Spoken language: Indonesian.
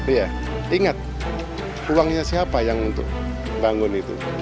iya ingat uangnya siapa yang untuk bangun itu